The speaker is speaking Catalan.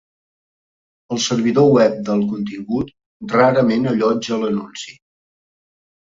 El servidor web del contingut rarament allotja l'anunci.